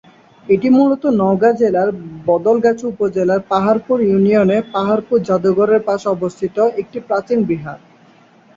এটি মূলত নওগাঁ জেলার বদলগাছী উপজেলার পাহাড়পুর ইউনিয়নে পাহাড়পুর যাদুঘরের পাশে অবস্থিত একটি প্রাচীন বিহার।